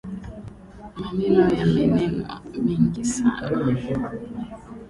Maneno yamenenwa mengi sana